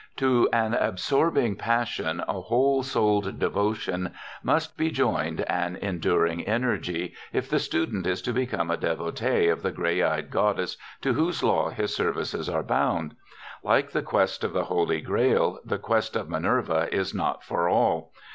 To an absorbing passion, a whole souled devotion, must be joined an enduring energy, if the student is to become a devotee of the gray eyed goddess to whose law his services are bound. Like the quest of the Holy Grail, the quest of Minerva is not for all.